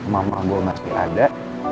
mamah gue masih ada